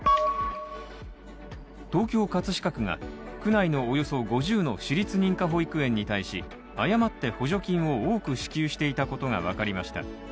東京・葛飾区が区内のおよそ５０の私立認可保育園に対し、誤って補助金を多く支給していたことがわかりました。